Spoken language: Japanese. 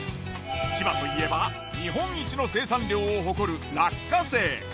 千葉といえば日本一の生産量を誇る落花生。